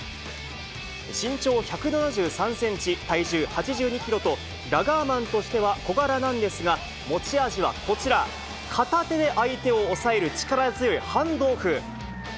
身長１７３センチ、体重８２キロと、ラガーマンとしては小柄なんですが、持ち味はこちら、片手で相手を押さえる力強いハンドオフ。